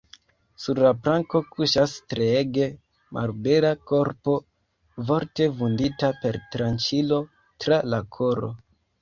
Sur la planko kuŝas treege malbela korpo, morte vundita per tranĉilo tra la koro.